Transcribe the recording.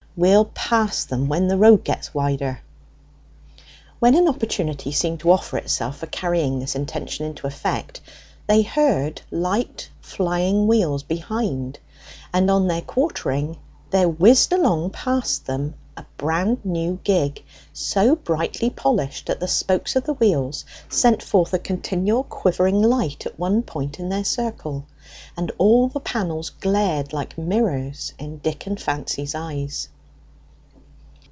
"We'll pass them when the road gets wider." When an opportunity seemed to offer itself for carrying this intention into effect, they heard light flying wheels behind, and on their quartering there whizzed along past them a brand new gig, so brightly polished that the spokes of the wheels sent forth a continual quivering light at one point in their circle, and all the panels glared like mirrors in Dick and Fancy's eyes.